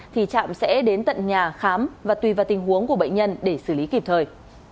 thì trạm sẽ đến tận nhà khám và tùy vào tình huống của bệnh nhân để xử lý kịp thời